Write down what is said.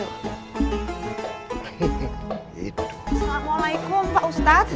assalamualaikum pak ustadz